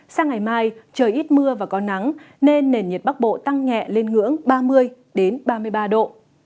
sang ngày mai trời ít mưa và có nắng nên nền nhiệt bắc bộ tăng nhẹ lên ngưỡng ba mươi ba mươi ba độ